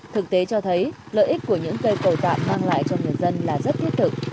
thực tế cho thấy lợi ích của những cây cầu cạn mang lại cho người dân là rất thiết thực